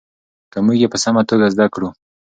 که موږ یې په سمه توګه زده کړو.